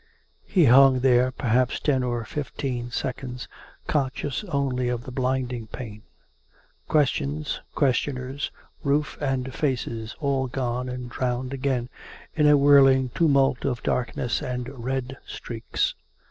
He hung there perhaps ten or fifteen seconds, conscious only of the blinding pain — questions, questioners, roof and faces all gone and drowned again in a whirling tumult of darkness and red streaks.